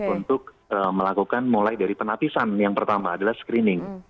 untuk melakukan mulai dari penapisan yang pertama adalah screening